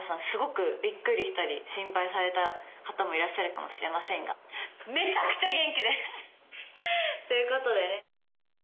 すごくびっくりしたり心配された方もいらっしゃるかもしれませんがめちゃくちゃ元気です！ということでね。